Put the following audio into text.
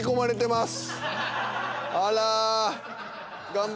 あら。